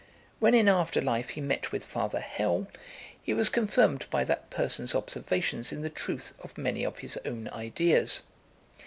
When in after life he met with Father Hell, he was confirmed by that person's observations in the truth of many of his own ideas.